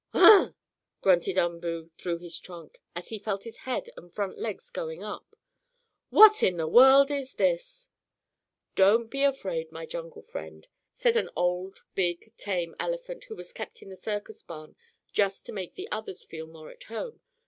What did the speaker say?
"Ugh!" grunted Umboo through his trunk, as he felt his head and front legs going up. "What in the world is this?" "Don't be afraid, my jungle friend," said an old big, tame elephant, who was kept in the circus barn just to make the others feel more at home.